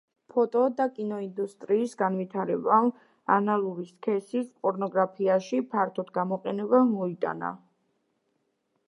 ფოტო და კინოინდუსტრიის განვითარებამ ანალური სექსის პორნოგრაფიაში ფართოდ გამოყენება მოიტანა.